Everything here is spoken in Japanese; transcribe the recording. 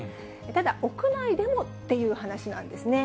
ただ、屋内でもっていう話なんですね。